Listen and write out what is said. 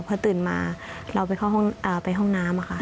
พอตื่นมาเราไปห้องน้ำค่ะ